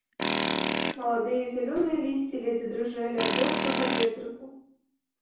Маладыя зялёныя лісці ледзь дрыжэлі ад лёгкага ветрыку.